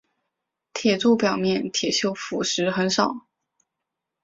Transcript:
铁柱表面铁锈腐蚀很少。